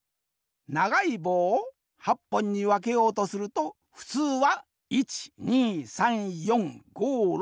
ながいぼうを８ぽんにわけようとするとふつうは１２３４５６７回きらねばならん。